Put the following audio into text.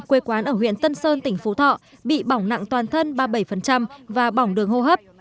quê quán ở huyện tân sơn tỉnh phú thọ bị bỏng nặng toàn thân ba mươi bảy và bỏng đường hô hấp